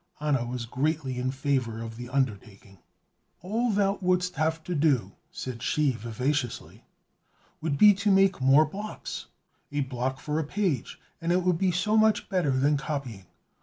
Anna was greatly in favor of the undertaking. "All thou wouldst have to do," said she, vivaciously, "would be to make more blocks, a block for a page; and it would be so much better than copying.